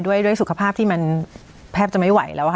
ด้วยสุขภาพที่มันแทบจะไม่ไหวแล้วค่ะ